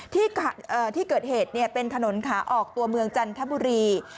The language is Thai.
ที่เกิดเหตุเป็นถนนขาออกตัวเมืองจันทบุรี